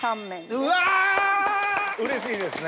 うれしいですね。